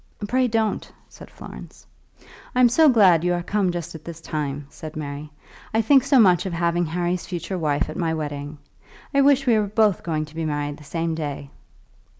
"Pray don't," said Florence. "I'm so glad you are come just at this time," said Mary. "I think so much of having Harry's future wife at my wedding. I wish we were both going to be married the same day."